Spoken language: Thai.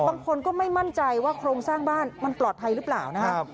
บางคนก็ไม่มั่นใจว่าโครงสร้างบ้านมันปลอดภัยหรือเปล่านะครับ